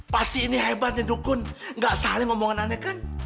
pasti ini hebatnya dukun gak saling ngomong aneh kan